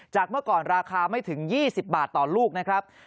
เมื่อก่อนราคาไม่ถึง๒๐บาทต่อลูกนะครับ